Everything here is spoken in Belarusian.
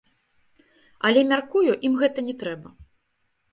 Але, мяркую, ім гэта не трэба.